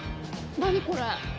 何これ？